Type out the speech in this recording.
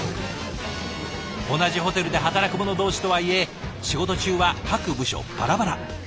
同じホテルで働く者同士とはいえ仕事中は各部署バラバラ。